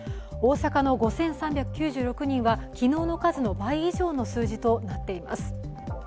大阪の５３９６人は昨日の数の倍以上の数字となっています。